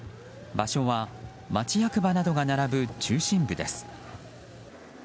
場所は、町役場などが並ぶ中心部です。